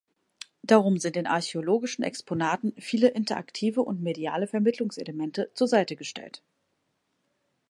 Darum sind den archäologischen Exponaten viele interaktive und mediale Vermittlungselemente zur Seite gestellt.